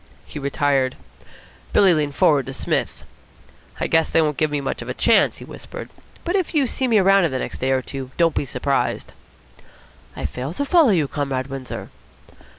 He retired. Billy leaned forward to Psmith. "I guess they won't give me much chance," he whispered, "but if you see me around in the next day or two, don't be surprised." "I fail to follow you, Comrade Windsor."